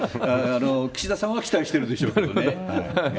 岸田さんは期待してるでしょうけなるほど。